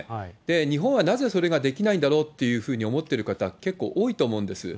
日本はなぜそれができないんだろうと思っている方、結構多いと思うんです。